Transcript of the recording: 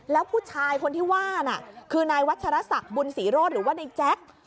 แล้วผู้ชายคนที่ว่าน่ะคือนายวัชรศักดิ์บุญศรีโรธหรือว่าในแจ๊ค